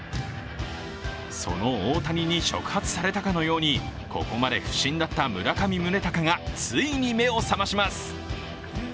その大谷に触発されたかのようにここまで不振だった村上宗隆がついに目を覚まします。